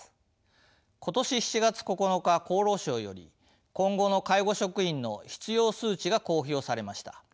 今年７月９日厚労省より今後の介護職員の必要数値が公表されました。